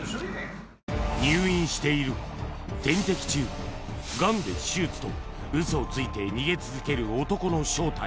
入院している点滴中ガンで手術とウソをついて逃げ続ける男の正体